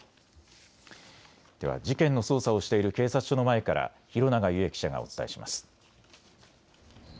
では事件の捜査をしている警察署の前から弘永優恵記者がお伝えします。